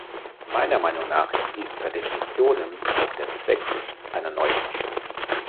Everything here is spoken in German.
Meiner Meinung nach ist dies per definitionem auch der Zweck einer Neufassung.